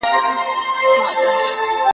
خدای دې موږ ټولو ته توفیق راکړي.